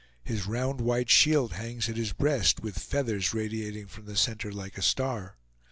His round white shield hangs at his breast, with feathers radiating from the center like a star.